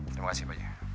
terima kasih pak jaya